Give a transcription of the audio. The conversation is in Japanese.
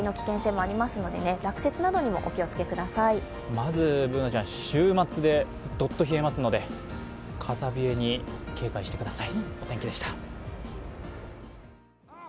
まず、Ｂｏｏｎａちゃん、週末でどっと冷えますので風冷えに警戒してください。